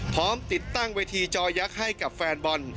พร้อมติดตั้งเวทีจอยักษ์ให้กับแฟนบอล